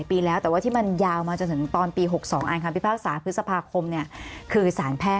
เพราะว่าสิ่งที่ต้องการผมตอนนี้คืออะไร